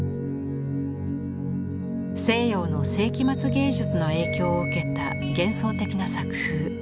西洋の世紀末芸術の影響を受けた幻想的な作風。